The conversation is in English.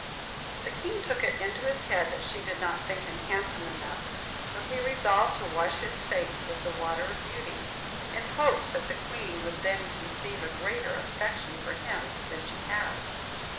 The king took it into his head that she did not think him handsome enough; so he resolved to wash his face with the water of beauty, in hopes that the queen would then conceive a greater affection for him than she had.